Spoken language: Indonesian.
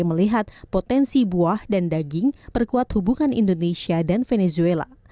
melihat potensi buah dan daging perkuat hubungan indonesia dan venezuela